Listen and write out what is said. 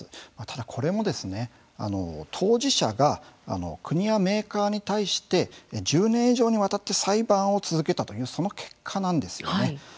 ただ、これも当事者が国やメーカーに対して１０年以上にわたって裁判を続けたというその結果なんですよね。